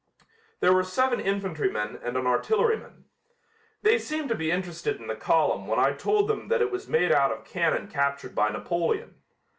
There were seven infantrymen and an artilleryman. They seemed to be interested in the column when I told them that it was made out of cannon captured by Napoleon.